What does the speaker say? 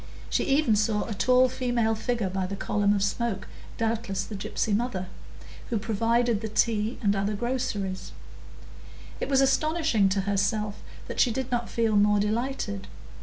She even saw a tall female figure by the column of smoke, doubtless the gypsy mother, who provided the tea and other groceries; it was astonishing to herself that she did not feel more delighted.